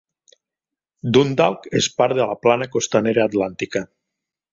Dundalk és part de la Plana Costanera Atlàntica.